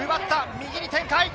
右に展開。